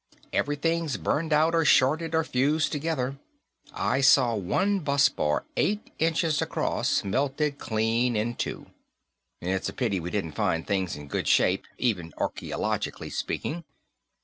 Everything's burned out or shorted or fused together; I saw one busbar eight inches across melted clean in two. It's a pity we didn't find things in good shape, even archaeologically speaking.